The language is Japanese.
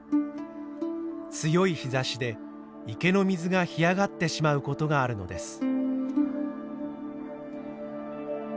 強い日ざしで池の水が干上がってしまう事があるのです。